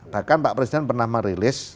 bahkan pak presiden pernah merilis